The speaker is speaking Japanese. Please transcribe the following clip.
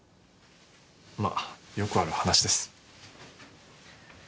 まあよくある話です。